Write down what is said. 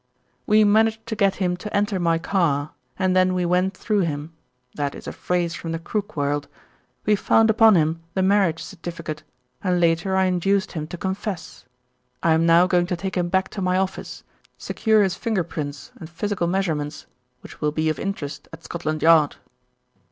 "We managed to get him to enter my car, and then we went through him that is a phrase from the crook world. We found upon him the marriage certificate, and later I induced him to confess. I am now going to take him back to my office, secure his finger prints and physical measurements, which will be of interest at Scotland Yard."